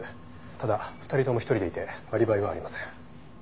ただ２人とも１人でいてアリバイはありません。